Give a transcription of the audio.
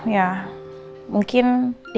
ya mungkin dia